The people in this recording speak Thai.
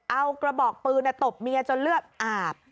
เอากระบอกปืนตบเมียจนเลือดอาบ